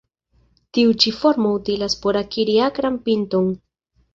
Tiu ĉi formo utilas por akiri akran pinton.